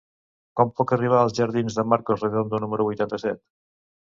Com puc arribar als jardins de Marcos Redondo número vuitanta-set?